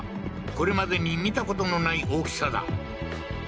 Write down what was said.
これまでに見たことのない大きさだ